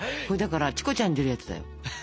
これだからチコちゃんに出るやつだよ。